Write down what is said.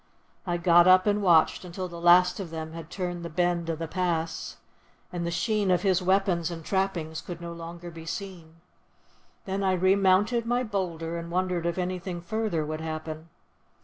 I got up and watched until the last of them had turned the bend of the Pass, and the sheen of his weapons and trappings could no longer be seen; then I remounted my boulder and wondered if anything further would happen.